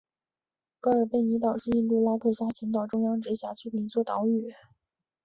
格尔贝尼岛是印度拉克沙群岛中央直辖区的一座岛屿。